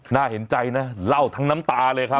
น่าเห็นใจนะเล่าทั้งน้ำตาเลยครับ